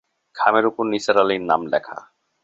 খামের ওপর নিসার আলির নাম লেখা।